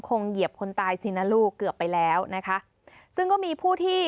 เหยียบคนตายสินะลูกเกือบไปแล้วนะคะซึ่งก็มีผู้ที่